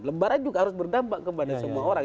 lembaran juga harus berdampak kepada semua orang